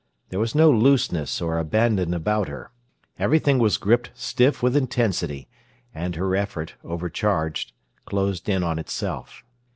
There was no looseness or abandon about her. Everything was gripped stiff with intensity, and her effort, overcharged, closed in on itself.